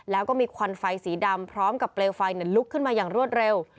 แล้วก็มีควันไฟสีดำพร้อมกับเปลวไฟลุกขึ้นมาอย่างรวดเร็ว